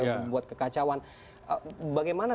membuat kekacauan bagaimana